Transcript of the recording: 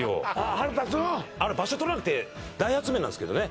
腹立つのうあれ場所取らなくて大発明なんですけどね